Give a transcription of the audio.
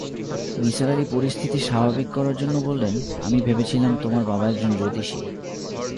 নিসার আলি পরিস্থিতি স্বাভাবিক করার জন্যে বললেন, আমি ভেবেছিলাম তোমার বাবা একজন জ্যোতিষী।